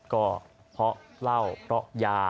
ก็เพราะเหล้าเพราะยา